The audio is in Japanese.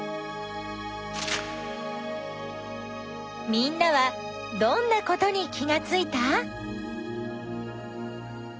みんなはどんなことに気がついた？